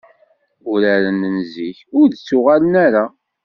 Uraren n zik, ur d-ttuɣalen ara.